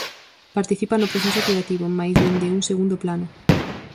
Participa no proceso creativo, mais dende un segundo plano.